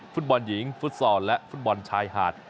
ฝุ่นบอลหญิงฝุ่นสอนและฝุ่นบอลชายหาด